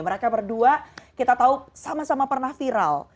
mereka berdua kita tahu sama sama pernah viral